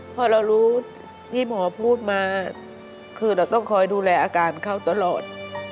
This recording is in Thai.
พอเรารู้ที่หมอพูดมาคือเราต้องคอยดูแลอาการเขาตลอด